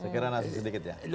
sekarang nanti sedikit ya